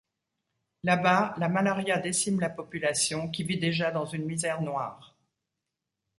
Là-bas, la malaria décime la population qui vit déjà dans une misère noire.